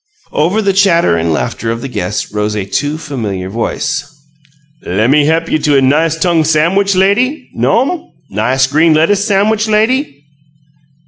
Over the chatter and laughter of the guests rose a too familiar voice. "Lemme he'p you to nice tongue samwich, lady. No'm? Nice green lettuce samwich, lady?"